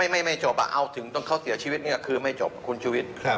ไม่จบเอาถึงจนเขาเสียชีวิตเนี่ยคือไม่จบคุณชุวิต